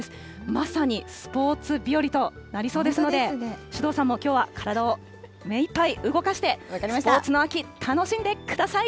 まさにスポーツ日和となりそうですので、首藤さんもきょうは体を目いっぱい動かして、スポーツの秋、楽しんでください。